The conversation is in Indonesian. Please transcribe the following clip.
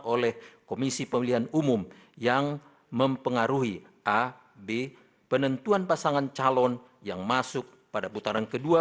oleh komisi pemilihan umum yang mempengaruhi a b penentuan pasangan calon yang masuk pada putaran kedua